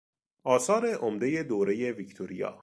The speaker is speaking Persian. آثار عمدهی دورهی ویکتوریا